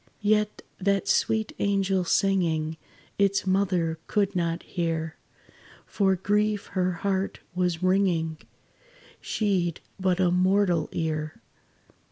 Yet that sweet angel singing Its mother could not hear, For grief her heart was wringing She 'd but a mortal ear.